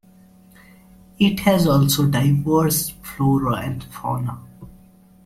It has also diverse flora and fauna.